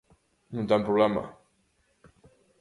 Non ten problema.